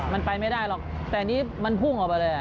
มันไปไม่ได้หรอกแต่อันนี้มันพุ่งออกไปเลย